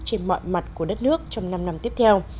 trên mọi mặt của đất nước trong năm năm tiếp theo